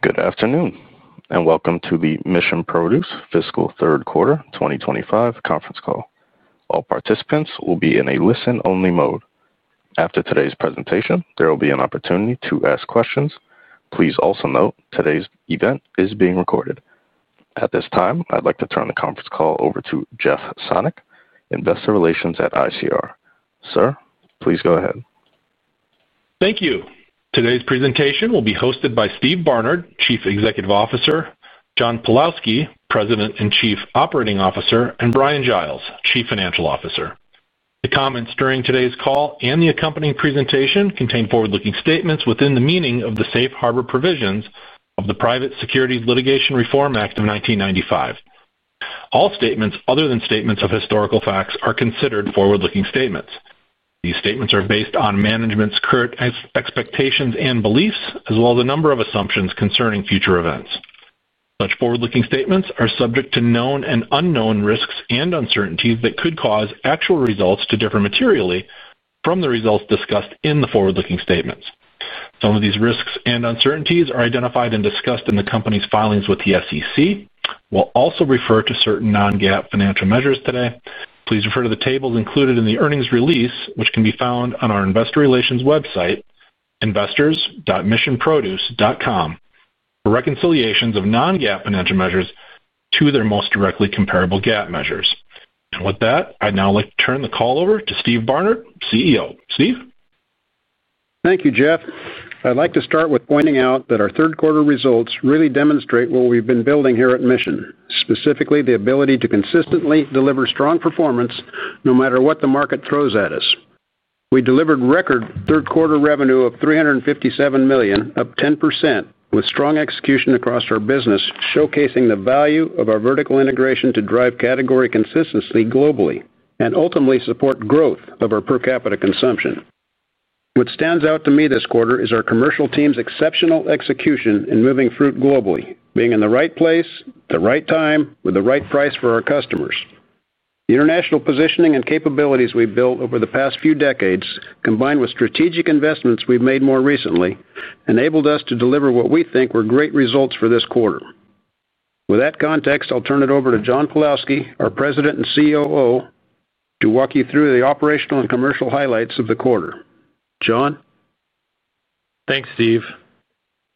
Good afternoon and welcome to the Mission Produce Fiscal Third Quarter 2025 Conference Call. All participants will be in a listen-only mode. After today's presentation, there will be an opportunity to ask questions. Please also note today's event is being recorded. At this time, I'd like to turn the conference call over to Jeff Sonnek, Investor Relations at ICR Inc. Sir, please go ahead. Thank you. Today's presentation will be hosted by Steve Barnard, Chief Executive Officer, John Pawlowski, President and Chief Operating Officer, and Bryan Giles, Chief Financial Officer. The comments during today's call and the accompanying presentation contain forward-looking statements within the meaning of the Safe Harbor provisions of the Private Securities Litigation Reform Act of 1995. All statements, other than statements of historical facts, are considered forward-looking statements. These statements are based on management's current expectations and beliefs, as well as a number of assumptions concerning future events. Such forward-looking statements are subject to known and unknown risks and uncertainties that could cause actual results to differ materially from the results discussed in the forward-looking statements. Some of these risks and uncertainties are identified and discussed in the company's filings with the SEC. We will also refer to certain non-GAAP financial measures today. Please refer to the tables included in the earnings release, which can be found on our Investor Relations website, investors.missionproduce.com, for reconciliations of non-GAAP financial measures to their most directly comparable GAAP measures. With that, I'd now like to turn the call over to Steve Barnard, CEO. Steve? Thank you, Jeff. I'd like to start with pointing out that our third-quarter results really demonstrate what we've been building here at Mission Produce, specifically the ability to consistently deliver strong performance no matter what the market throws at us. We delivered record third-quarter revenue of $357 million, up 10%, with strong execution across our business, showcasing the value of our vertical integration to drive category consistency globally and ultimately support growth of our per capita consumption. What stands out to me this quarter is our commercial team's exceptional execution in moving fruit globally, being in the right place, at the right time, with the right price for our customers. The international positioning and capabilities we've built over the past few decades, combined with strategic investments we've made more recently, enabled us to deliver what we think were great results for this quarter. With that context, I'll turn it over to John Pawlowski, our President and COO, to walk you through the operational and commercial highlights of the quarter. John? Thanks, Steve.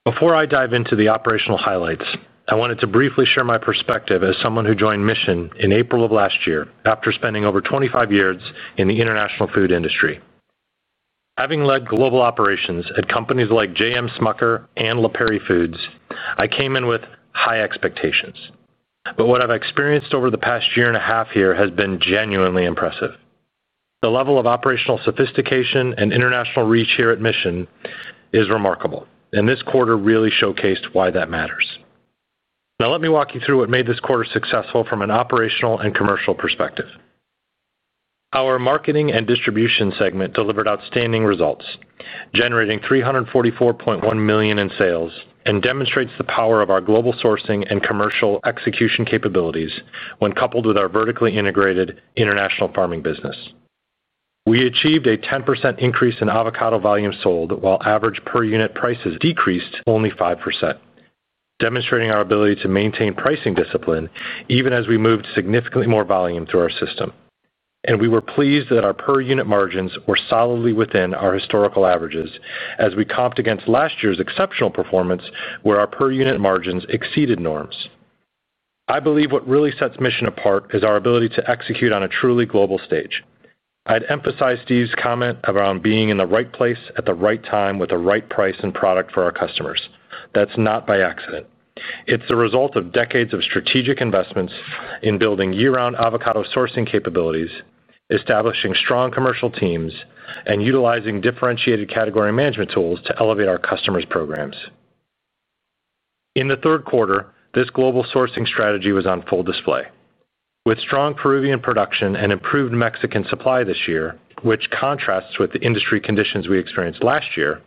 Before I dive into the operational highlights, I wanted to briefly share my perspective as someone who joined Mission in April of last year, after spending over 25 years in the international food industry. Having led global operations at companies like JM Smucker and La Prairie Foods, I came in with high expectations. What I've experienced over the past year and a half here has been genuinely impressive. The level of operational sophistication and international reach here at Mission is remarkable, and this quarter really showcased why that matters. Now let me walk you through what made this quarter successful from an operational and commercial perspective. Our marketing and distribution segment delivered outstanding results, generating $344.1 million in sales, and demonstrates the power of our global sourcing and commercial execution capabilities when coupled with our vertically integrated international farming business. We achieved a 10% increase in avocado volume sold, while average per unit prices decreased only 5%, demonstrating our ability to maintain pricing discipline even as we moved significantly more volume through our system. We were pleased that our per unit margins were solidly within our historical averages as we comped against last year's exceptional performance, where our per unit margins exceeded norms. I believe what really sets Mission apart is our ability to execute on a truly global stage. I'd emphasize Steve's comment around being in the right place at the right time with the right price and product for our customers. That's not by accident. It's the result of decades of strategic investments in building year-round avocado sourcing capabilities, establishing strong commercial teams, and utilizing differentiated category management tools to elevate our customers' programs. In the third quarter, this global sourcing strategy was on full display. With strong Peruvian production and improved Mexican supply this year, which contrasts with the industry conditions we experienced last year,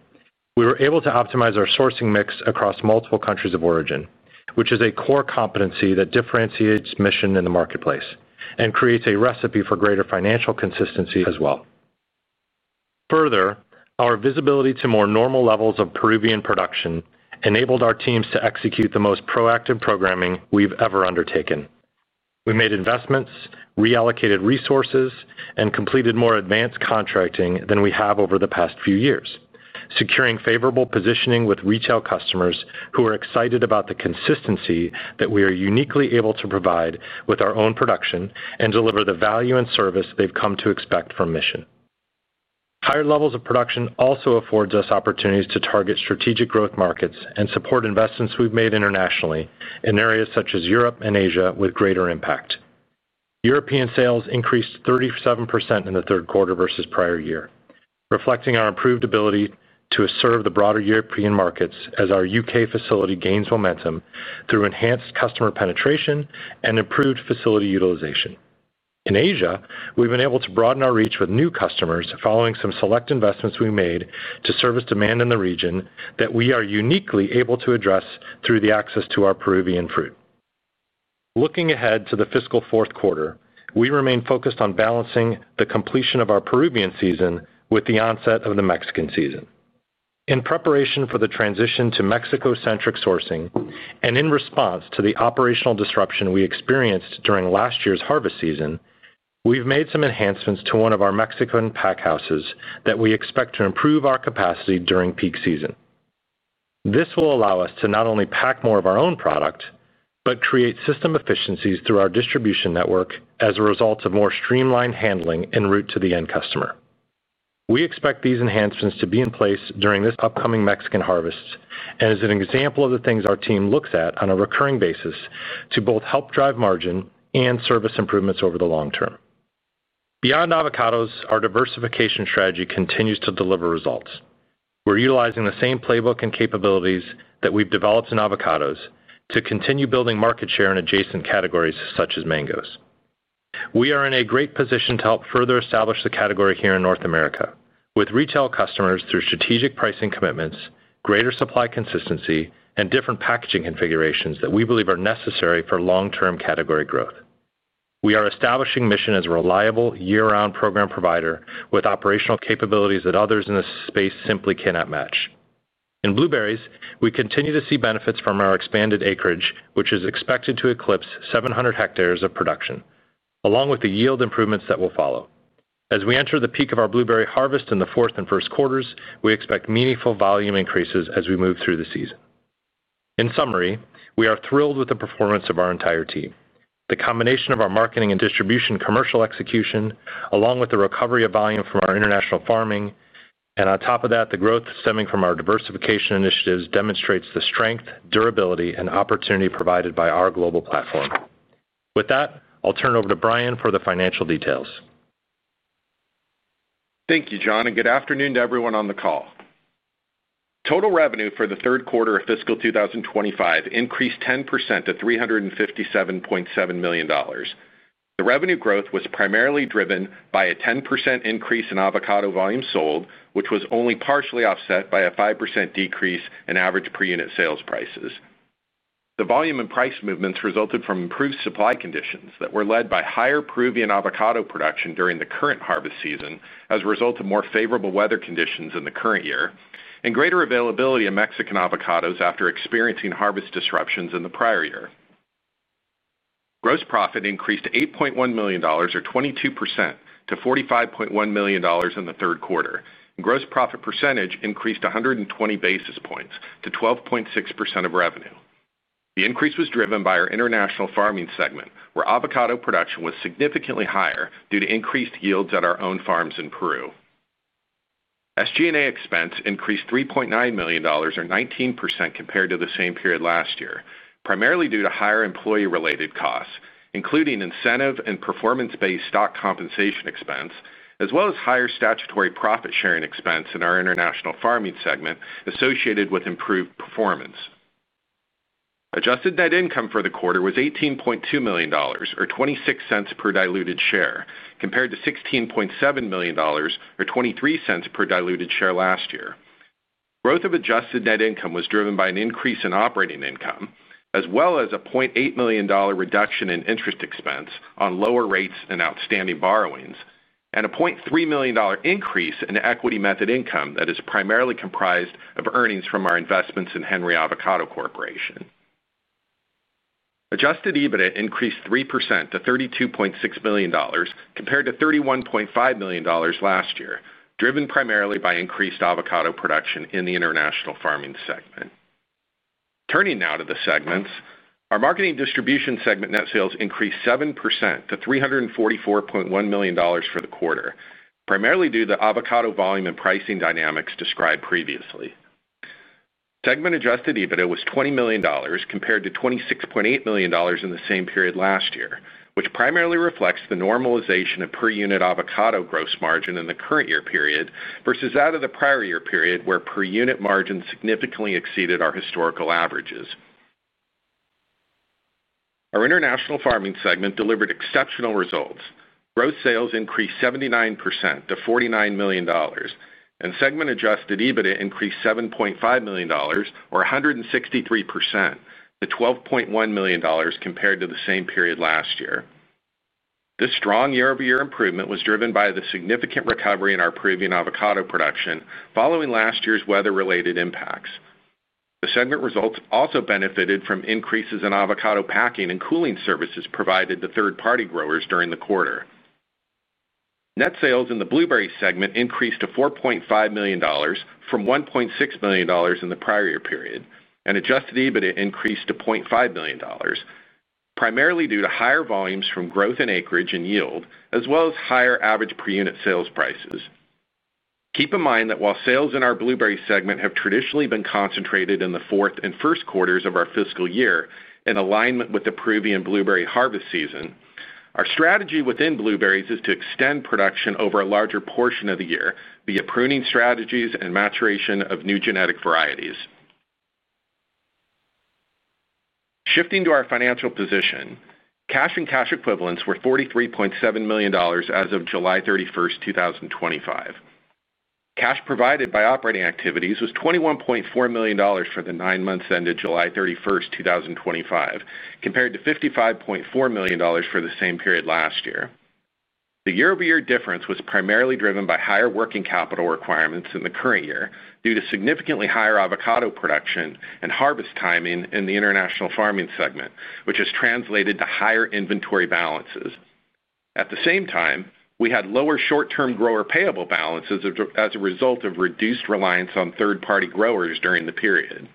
we were able to optimize our sourcing mix across multiple countries of origin, which is a core competency that differentiates Mission in the marketplace and creates a recipe for greater financial consistency as well. Further, our visibility to more normal levels of Peruvian production enabled our teams to execute the most proactive programming we've ever undertaken. We made investments, reallocated resources, and completed more advanced contracting than we have over the past few years, securing favorable positioning with retail customers who are excited about the consistency that we are uniquely able to provide with our own production and deliver the value and service they've come to expect from Mission Produce. Higher levels of production also afford us opportunities to target strategic growth markets and support investments we've made internationally in areas such as Europe and Asia with greater impact. European sales increased 37% in the third quarter versus prior year, reflecting our improved ability to serve the broader European markets as our UK facility gains momentum through enhanced customer penetration and improved facility utilization. In Asia, we've been able to broaden our reach with new customers following some select investments we made to service demand in the region that we are uniquely able to address through the access to our Peruvian fruit. Looking ahead to the fiscal fourth quarter, we remain focused on balancing the completion of our Peruvian season with the onset of the Mexican season. In preparation for the transition to Mexico-centric sourcing and in response to the operational disruption we experienced during last year's harvest season, we've made some enhancements to one of our Mexican pack houses that we expect to improve our capacity during peak season. This will allow us to not only pack more of our own product but create system efficiencies through our distribution network as a result of more streamlined handling en route to the end customer. We expect these enhancements to be in place during this upcoming Mexican harvest and as an example of the things our team looks at on a recurring basis to both help drive margin and service improvements over the long term. Beyond avocados, our diversification strategy continues to deliver results. We're utilizing the same playbook and capabilities that we've developed in avocados to continue building market share in adjacent categories such as mangoes. We are in a great position to help further establish the category here in North America with retail customers through strategic pricing commitments, greater supply consistency, and different packaging configurations that we believe are necessary for long-term category growth. We are establishing Mission as a reliable year-round program provider with operational capabilities that others in this space simply cannot match. In blueberries, we continue to see benefits from our expanded acreage, which is expected to eclipse 700 hectares of production, along with the yield improvements that will follow. As we enter the peak of our blueberry harvest in the fourth and first quarters, we expect meaningful volume increases as we move through the season. In summary, we are thrilled with the performance of our entire team. The combination of our marketing and distribution commercial execution, along with the recovery of volume from our international farming, and on top of that, the growth stemming from our diversification initiatives demonstrates the strength, durability, and opportunity provided by our global platform. With that, I'll turn it over to Bryan for the financial details. Thank you, John, and good afternoon to everyone on the call. Total revenue for the third quarter of fiscal 2025 increased 10% to $357.7 million. The revenue growth was primarily driven by a 10% increase in avocado volume sold, which was only partially offset by a 5% decrease in average per unit sales prices. The volume and price movements resulted from improved supply conditions that were led by higher Peruvian avocado production during the current harvest season as a result of more favorable weather conditions in the current year and greater availability of Mexican avocados after experiencing harvest disruptions in the prior year. Gross profit increased $8.1 million, or 22%, to $45.1 million in the third quarter, and gross profit percentage increased 120 basis points to 12.6% of revenue. The increase was driven by our international farming segment, where avocado production was significantly higher due to increased yields at our own farms in Peru. SG&A expense increased $3.9 million, or 19%, compared to the same period last year, primarily due to higher employee-related costs, including incentive and performance-based stock compensation expense, as well as higher statutory profit sharing expense in our international farming segment associated with improved performance. Adjusted net income for the quarter was $18.2 million, or $0.26 per diluted share, compared to $16.7 million, or $0.23 per diluted share last year. Growth of adjusted net income was driven by an increase in operating income, as well as a $0.8 million reduction in interest expense on lower rates and outstanding borrowings, and a $0.3 million increase in equity method income that is primarily comprised of earnings from our investments in Henry Avocado Corporation. Adjusted EBITDA increased 3% to $32.6 million, compared to $31.5 million last year, driven primarily by increased avocado production in the international farming segment. Turning now to the segments, our marketing distribution segment net sales increased 7% to $344.1 million for the quarter, primarily due to the avocado volume and pricing dynamics described previously. Segment adjusted EBITDA was $20 million, compared to $26.8 million in the same period last year, which primarily reflects the normalization of per-unit avocado gross margin in the current year period versus that of the prior year period, where per-unit margin significantly exceeded our historical averages. Our international farming segment delivered exceptional results. Gross sales increased 79% to $49 million, and segment adjusted EBITDA increased $7.5 million, or 163%, to $12.1 million compared to the same period last year. This strong year-over-year improvement was driven by the significant recovery in our Peruvian avocado production following last year's weather-related impacts. The segment results also benefited from increases in avocado packing and cooling services provided to third-party growers during the quarter. Net sales in the blueberry segment increased to $4.5 million from $1.6 million in the prior year period, and adjusted EBITDA increased to $0.5 million, primarily due to higher volumes from growth in acreage and yield, as well as higher average per-unit sales prices. Keep in mind that while sales in our blueberry segment have traditionally been concentrated in the fourth and first quarters of our fiscal year in alignment with the Peruvian blueberry harvest season, our strategy within blueberries is to extend production over a larger portion of the year via pruning strategies and maturation of new genetic varieties. Shifting to our financial position, cash and cash equivalents were $43.7 million as of July 31, 2025. Cash provided by operating activities was $21.4 million for the nine months ended July 31, 2025, compared to $55.4 million for the same period last year. The year-over-year difference was primarily driven by higher working capital requirements in the current year due to significantly higher avocado production and harvest timing in the international farming segment, which has translated to higher inventory balances. At the same time, we had lower short-term grower payable balances as a result of reduced reliance on third-party growers during the period.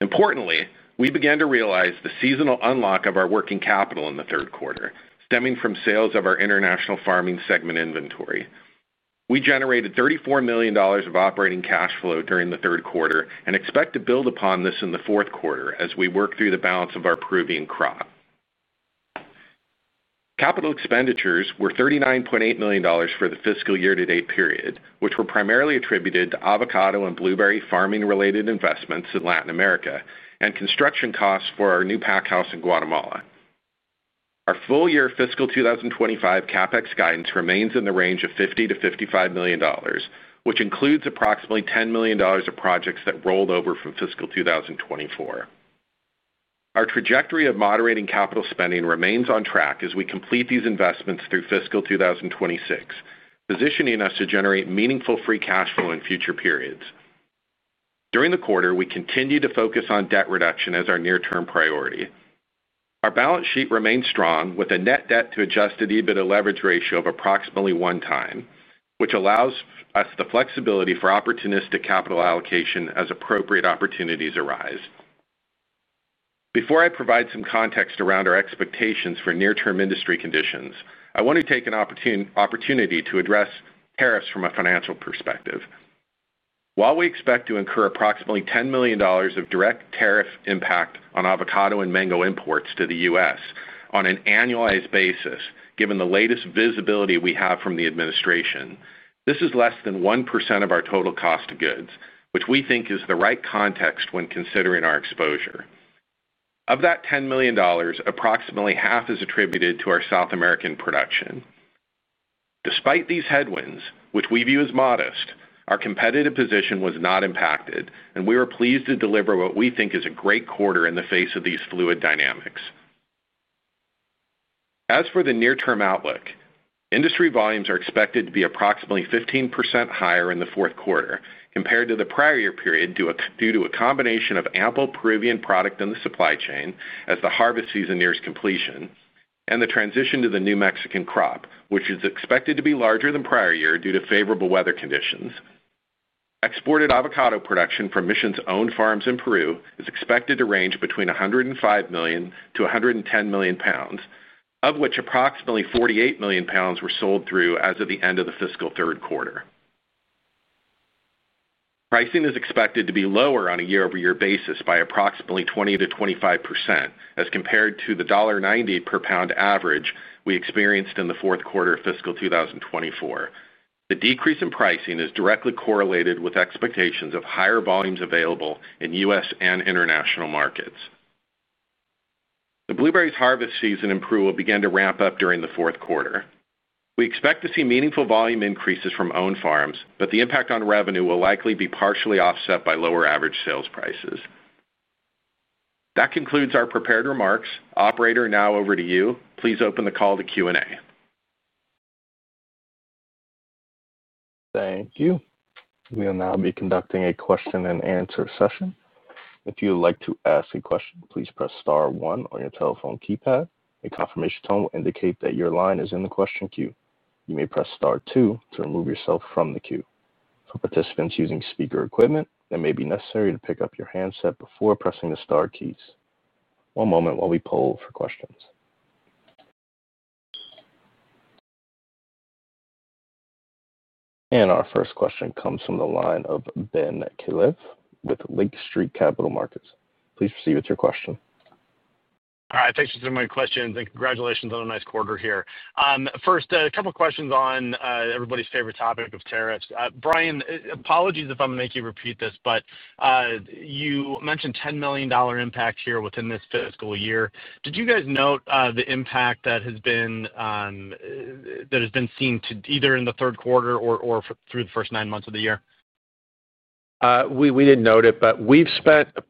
Importantly, we began to realize the seasonal unlock of our working capital in the third quarter, stemming from sales of our international farming segment inventory. We generated $34 million of operating cash flow during the third quarter and expect to build upon this in the fourth quarter as we work through the balance of our Peruvian crop. Capital expenditures were $39.8 million for the fiscal year-to-date period, which were primarily attributed to avocado and blueberry farming-related investments in Latin America and construction costs for our new pack house in Guatemala. Our full-year fiscal 2025 CAPEX guidance remains in the range of $50 to $55 million, which includes approximately $10 million of projects that rolled over for fiscal 2024. Our trajectory of moderating capital spending remains on track as we complete these investments through fiscal 2026, positioning us to generate meaningful free cash flow in future periods. During the quarter, we continue to focus on debt reduction as our near-term priority. Our balance sheet remains strong, with a net debt-to-adjusted EBITDA leverage ratio of approximately one time, which allows us the flexibility for opportunistic capital allocation as appropriate opportunities arise. Before I provide some context around our expectations for near-term industry conditions, I want to take an opportunity to address tariffs from a financial perspective. While we expect to incur approximately $10 million of direct tariff impact on avocado and mango imports to the U.S. on an annualized basis, given the latest visibility we have from the administration, this is less than 1% of our total cost of goods, which we think is the right context when considering our exposure. Of that $10 million, approximately half is attributed to our South American production. Despite these headwinds, which we view as modest, our competitive position was not impacted, and we were pleased to deliver what we think is a great quarter in the face of these fluid dynamics. As for the near-term outlook, industry volumes are expected to be approximately 15% higher in the fourth quarter compared to the prior year period due to a combination of ample Peruvian product in the supply chain as the harvest season nears completion and the transition to the new Mexican crop, which is expected to be larger than prior year due to favorable weather conditions. Exported avocado production from Mission Produce's own farms in Peru is expected to range between 105 million to 110 million pounds, of which approximately 48 million pounds were sold through as of the end of the fiscal third quarter. Pricing is expected to be lower on a year-over-year basis by approximately 20% to 25% as compared to the $1.90 per pound average we experienced in the fourth quarter of fiscal 2024. The decrease in pricing is directly correlated with expectations of higher volumes available in U.S. and international markets. The blueberries harvest season in Peru will begin to ramp up during the fourth quarter. We expect to see meaningful volume increases from own farms, but the impact on revenue will likely be partially offset by lower average sales prices. That concludes our prepared remarks. Operator, now over to you. Please open the call to Q&A. Thank you. We will now be conducting a question and answer session. If you would like to ask a question, please press star one on your telephone keypad. A confirmation tone will indicate that your line is in the question queue. You may press star two to remove yourself from the queue. For participants using speaker equipment, it may be necessary to pick up your handset before pressing the star keys. One moment while we poll for questions. Our first question comes from the line of Ben Klieve with Lake Street Capital Markets. Please proceed with your question. All right, thanks for sending my question and congratulations on a nice quarter here. First, a couple of questions on everybody's favorite topic of tariffs. Bryan, apologies if I'm going to make you repeat this, but you mentioned $10 million impact here within this fiscal year. Did you guys note the impact that has been seen either in the third quarter or through the first nine months of the year? We didn't note it, but we've spent a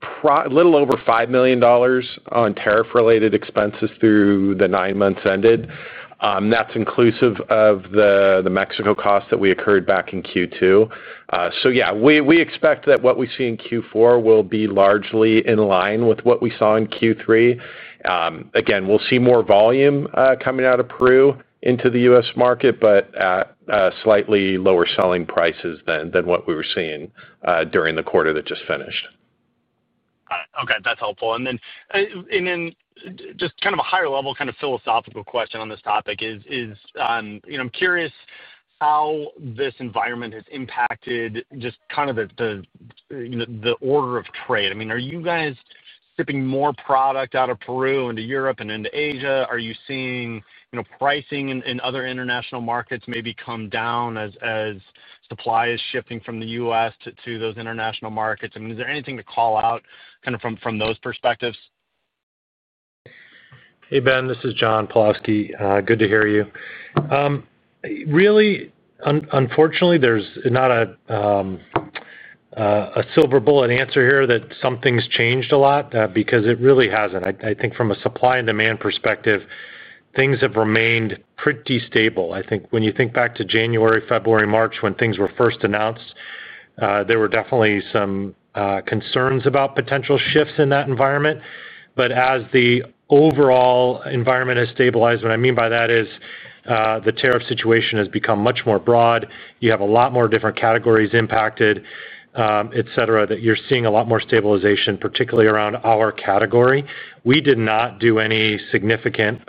little over $5 million on tariff-related expenses through the nine months ended. That's inclusive of the Mexico costs that we incurred back in Q2. We expect that what we see in Q4 will be largely in line with what we saw in Q3. Again, we'll see more volume coming out of Peru into the U.S. market, but slightly lower selling prices than what we were seeing during the quarter that just finished. All right, that's helpful. Just kind of a higher level, kind of philosophical question on this topic. I'm curious how this environment has impacted just kind of the order of trade. Are you guys shipping more product out of Peru into Europe and into Asia? Are you seeing pricing in other international markets maybe come down as supply is shifting from the U.S. to those international markets? Is there anything to call out from those perspectives? Hey, Ben, this is John Pawlowski. Good to hear you. Unfortunately, there's not a silver bullet answer here that something's changed a lot because it really hasn't. I think from a supply and demand perspective, things have remained pretty stable. I think when you think back to January, February, March when things were first announced, there were definitely some concerns about potential shifts in that environment. As the overall environment has stabilized, what I mean by that is the tariff situation has become much more broad. You have a lot more different categories impacted, et cetera, that you're seeing a lot more stabilization, particularly around our category. We did not do any significant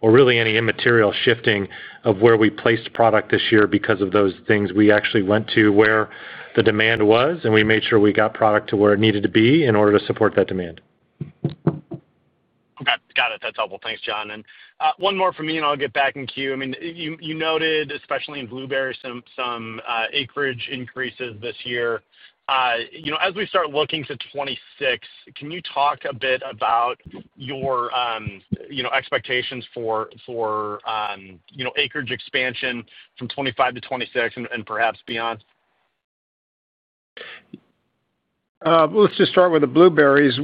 or really any immaterial shifting of where we placed product this year because of those things. We actually went to where the demand was and we made sure we got product to where it needed to be in order to support that demand. Okay, got it. That's helpful. Thanks, John. One more for me and I'll get back in queue. You noted, especially in blueberries, some acreage increases this year. As we start looking to 2026, can you talk a bit about your expectations for acreage expansion from 2025 to 2026 and perhaps beyond? Let's just start with the blueberries.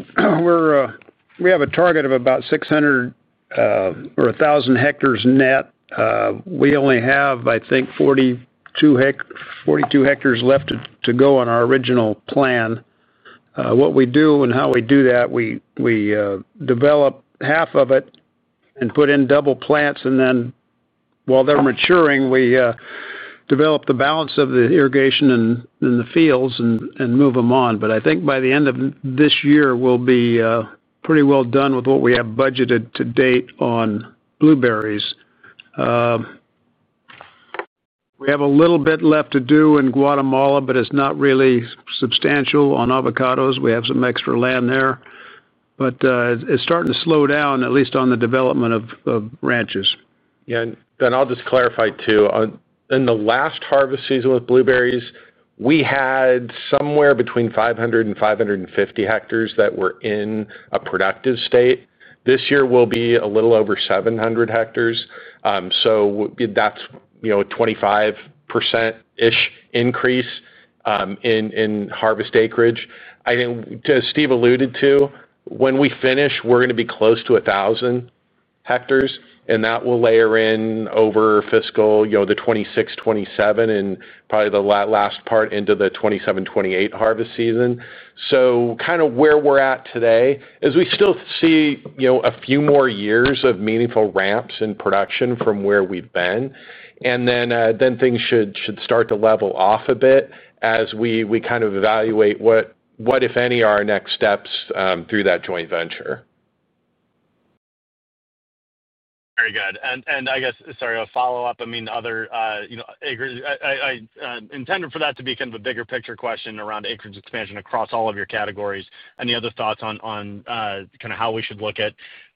We have a target of about 600 or 1,000 hectares net. We only have, I think, 42 hectares left to go on our original plan. What we do and how we do that, we develop half of it and put in double plants, and then while they're maturing, we develop the balance of the irrigation in the fields and move them on. I think by the end of this year, we'll be pretty well done with what we have budgeted to date on blueberries. We have a little bit left to do in Guatemala, but it's not really substantial on avocados. We have some extra land there, but it's starting to slow down, at least on the development of ranches. Yeah, and then I'll just clarify too, in the last harvest season with blueberries, we had somewhere between 500 and 550 hectares that were in a productive state. This year, we'll be a little over 700 hectares. That's a 25%-ish increase in harvest acreage. I think, as Steve alluded to, when we finish, we're going to be close to 1,000 hectares, and that will layer in over fiscal 2026, 2027, and probably the last part into the 2027, 2028 harvest season. Where we're at today is we still see a few more years of meaningful ramps in production from where we've been. Things should start to level off a bit as we kind of evaluate what, if any, are our next steps through that joint venture. Very good. Sorry, a follow-up. I intended for that to be kind of a bigger picture question around acreage expansion across all of your categories. Any other thoughts on kind of how we should look at,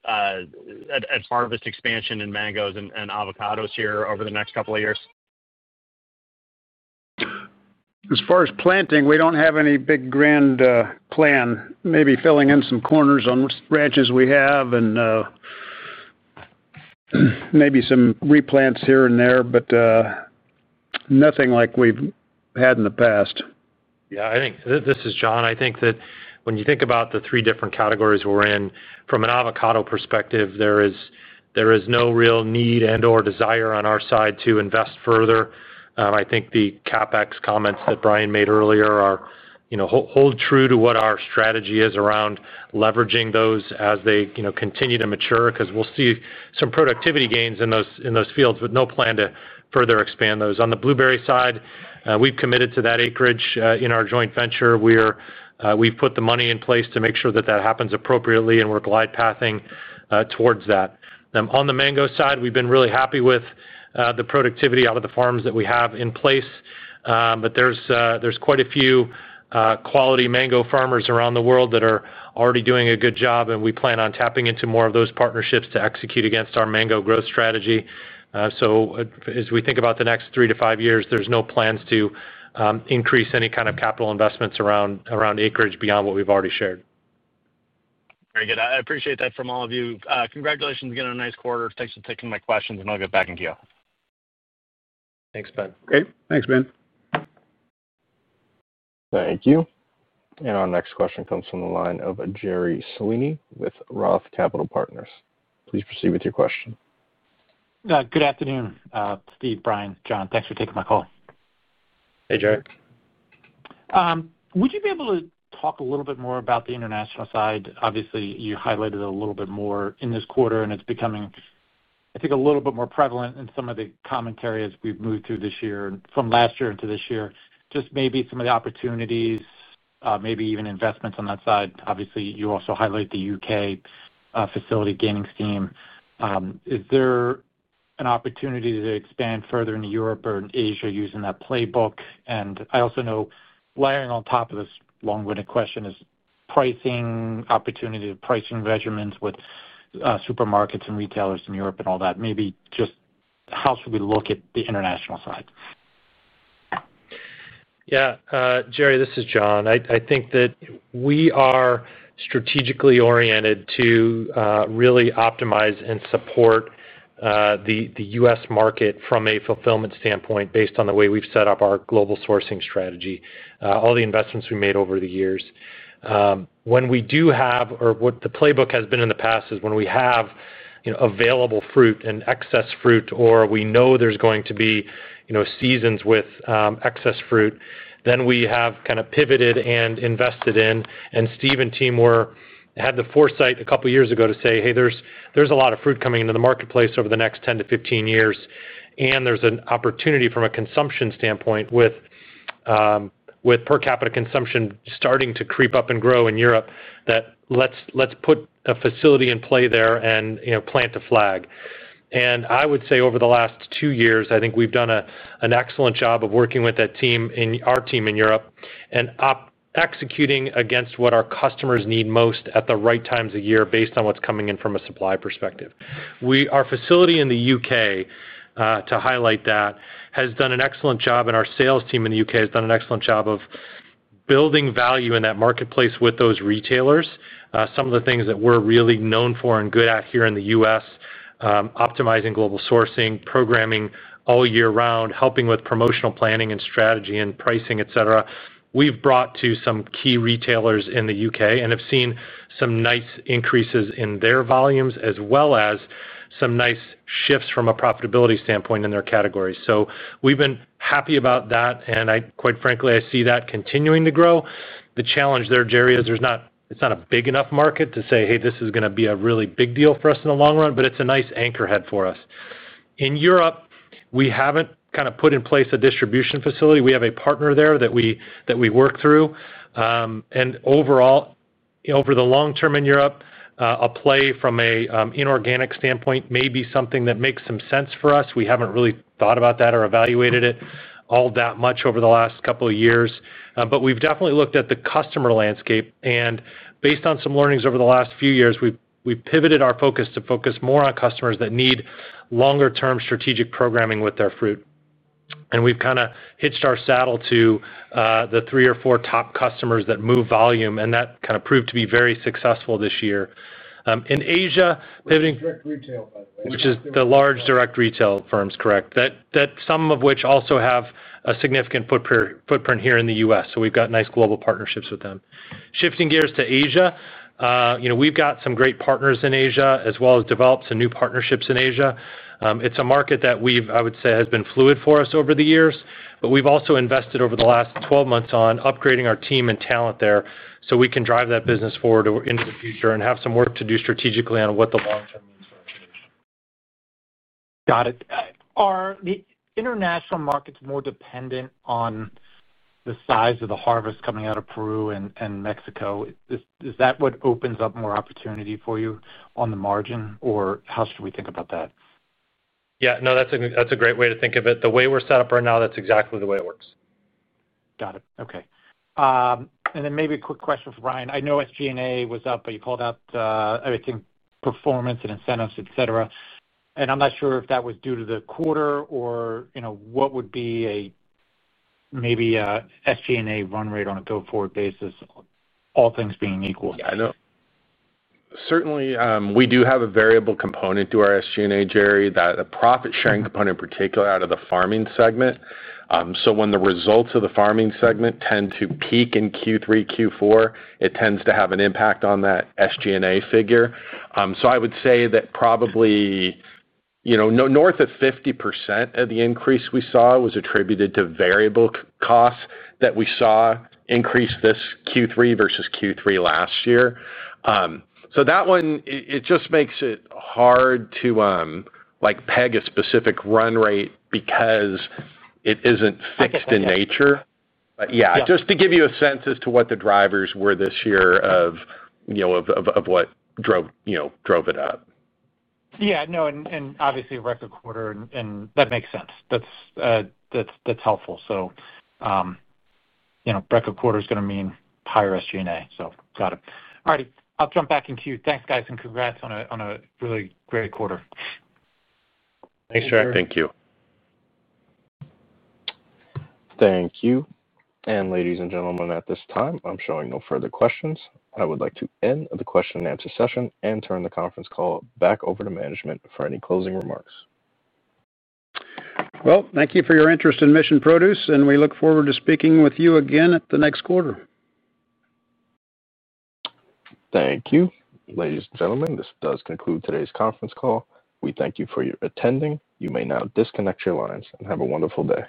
as far as harvest expansion in mangoes and avocados here over the next couple of years? As far as planting, we don't have any big grand plan. Maybe filling in some corners on which branches we have and maybe some replants here and there, but nothing like we've had in the past. Yeah, I think this is John. I think that when you think about the three different categories we're in, from an avocado perspective, there is no real need or desire on our side to invest further. I think the CAPEX comments that Bryan made earlier are, you know, hold true to what our strategy is around leveraging those as they, you know, continue to mature because we'll see some productivity gains in those fields with no plan to further expand those. On the blueberry side, we've committed to that acreage in our joint venture. We've put the money in place to make sure that that happens appropriately, and we're glide pathing towards that. On the mango side, we've been really happy with the productivity out of the farms that we have in place, but there's quite a few quality mango farmers around the world that are already doing a good job, and we plan on tapping into more of those partnerships to execute against our mango growth strategy. As we think about the next three to five years, there's no plans to increase any kind of capital investments around acreage beyond what we've already shared. Very good. I appreciate that from all of you. Congratulations again on a nice quarter. Thanks for taking my questions, and I'll get back in queue. Thanks, Ben. Great. Thanks, Ben Klieve. Thank you. Our next question comes from the line of Jerry Salini with ROTH Capital Partners. Please proceed with your question. Good afternoon, Steve, Bryan, John. Thanks for taking my call. Hey, Jerry. Would you be able to talk a little bit more about the international side? Obviously, you highlighted a little bit more in this quarter, and it's becoming, I think, a little bit more prevalent in some of the comment areas we've moved through this year from last year to this year. Maybe some of the opportunities, maybe even investments on that side. Obviously, you also highlight the UK facility gaining steam. Is there an opportunity to expand further in Europe or in Asia using that playbook? I also know layering on top of this long-winded question is pricing opportunity of pricing measurements with supermarkets and retailers in Europe and all that. Maybe just how should we look at the international side? Yeah, Jerry, this is John. I think that we are strategically oriented to really optimize and support the U.S. market from a fulfillment standpoint based on the way we've set up our global sourcing strategy, all the investments we made over the years. When we do have, or what the playbook has been in the past is when we have available fruit and excess fruit, or we know there's going to be seasons with excess fruit, then we have kind of pivoted and invested in. Steve and team had the foresight a couple of years ago to say, hey, there's a lot of fruit coming into the marketplace over the next 10 to 15 years, and there's an opportunity from a consumption standpoint with per capita consumption starting to creep up and grow in Europe that let's put a facility in play there and plant a flag. I would say over the last two years, I think we've done an excellent job of working with that team, our team in Europe, and executing against what our customers need most at the right times of year based on what's coming in from a supply perspective. Our facility in the UK, to highlight that, has done an excellent job, and our sales team in the UK has done an excellent job of building value in that marketplace with those retailers. Some of the things that we're really known for and good at here in the U.S., optimizing global sourcing, programming all year round, helping with promotional planning and strategy and pricing, et cetera, we've brought to some key retailers in the UK and have seen some nice increases in their volumes as well as some nice shifts from a profitability standpoint in their categories. We've been happy about that, and quite frankly, I see that continuing to grow. The challenge there, Jerry, is it's not a big enough market to say, hey, this is going to be a really big deal for us in the long run, but it's a nice anchorhead for us. In Europe, we haven't kind of put in place a distribution facility. We have a partner there that we work through. Overall, over the long term in Europe, a play from an inorganic standpoint may be something that makes some sense for us. We haven't really thought about that or evaluated it all that much over the last couple of years. We've definitely looked at the customer landscape, and based on some learnings over the last few years, we've pivoted our focus to focus more on customers that need longer-term strategic programming with their fruit. We have kind of hitched our saddle to the three or four top customers that move volume, and that proved to be very successful this year. In Asia, pivoting to the large direct retail firms, correct, some of which also have a significant footprint here in the U.S. We have nice global partnerships with them. Shifting gears to Asia, we have some great partners in Asia, as well as developed some new partnerships in Asia. It's a market that I would say has been fluid for us over the years, but we have also invested over the last 12 months on upgrading our team and talent there so we can drive that business forward into the future and have some work to do strategically on what the long-term is. Got it. Are the international markets more dependent on the size of the harvest coming out of Peru and Mexico? Is that what opens up more opportunity for you on the margin, or how should we think about that? Yeah, no, that's a great way to think of it. The way we're set up right now, that's exactly the way it works. Got it. Okay. Maybe a quick question for Bryan. I know SG&A was up, but you called out, I think, performance and incentives, et cetera. I'm not sure if that was due to the quarter or what would be a maybe SG&A run rate on a billboard basis, all things being equal. Yeah, I know. Certainly, we do have a variable component to our SG&A, Jerry, that a profit sharing component, in particular, out of the farming segment. When the results of the farming segment tend to peak in Q3, Q4, it tends to have an impact on that SG&A figure. I would say that probably, you know, north of 50% of the increase we saw was attributed to variable costs that we saw increase this Q3 versus Q3 last year. That one, it just makes it hard to, like, peg a specific run rate because it isn't fixed in nature. Yeah, just to give you a sense as to what the drivers were this year of, you know, of what drove, you know, it up. Yeah, no, obviously a record quarter, and that makes sense. That's helpful. Record quarter is going to mean higher SG&A. Got it. All righty. I'll jump back in queue. Thanks, guys, and congrats on a really great quarter. Thanks, Gerry. Thank you. Thank you. Ladies and gentlemen, at this time, I'm showing no further questions. I would like to end the question and answer session and turn the conference call back over to management for any closing remarks. Thank you for your interest in Mission Produce, and we look forward to speaking with you again at the next quarter. Thank you. Ladies and gentlemen, this does conclude today's conference call. We thank you for your attending. You may now disconnect your lines and have a wonderful day.